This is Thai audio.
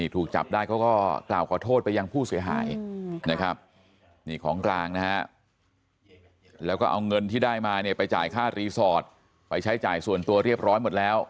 ถูกจับได้ก็กล่าวขอโทษไปยังผู้เสียหายแล้วก็เอาเงินที่ได้มาไปจ่ายค่ารีสอร์ทใช้จ่ายส่วนตัวเรียบร้อยหมดแล้ว